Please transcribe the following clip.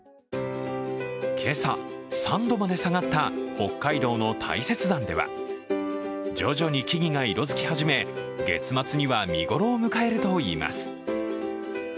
今朝、３度まで下がった北海道の大雪山では徐々に木々が色づき始め月末には見頃を迎えるといいます。